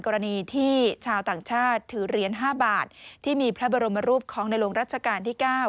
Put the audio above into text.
กรณีที่ชาวต่างชาติถือเหรียญ๕บาทที่มีพระบรมรูปของในหลวงรัชกาลที่๙